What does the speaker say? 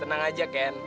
tenang aja ken